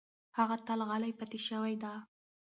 هغه تل غلې پاتې شوې ده.